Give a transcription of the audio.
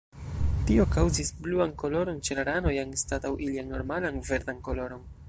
Tio kaŭzis bluan koloron ĉe la ranoj anstataŭ ilian normalan verdan koloron.